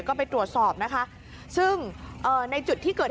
ก็มีขอบคุณส่วนตก